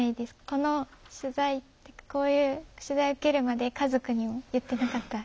この取材こういう取材受けるまで家族にも言ってなかった。